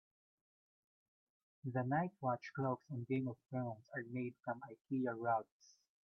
The night watch cloaks on Game of Thrones are made from Ikea rugs.